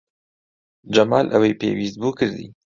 جەمال ئەوەی پێویست بوو کردی.